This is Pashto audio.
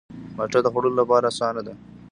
مالټه د خوړلو لپاره آسانه ده.